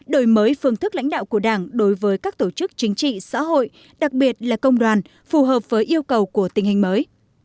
đổi mới phương thức lãnh đạo của đảng đối với các tổ chức chính trị xã hội đặc biệt là công đoàn phù hợp với yêu cầu của tình hình mới